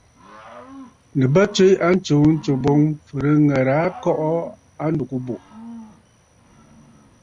Nɨ bə tswe a ntsǔǹtsù boŋ fɨ̀rɨ̂ŋə̀rə̀ àa kɔʼɔ a ndùgə bù.